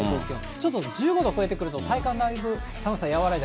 ちょっと１５度超えてくると、体感、だいぶ寒さ和らいで。